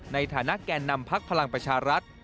ในฐานะแก่นำพักพลังประชารัฐ